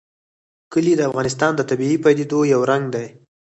کلي د افغانستان د طبیعي پدیدو یو رنګ دی.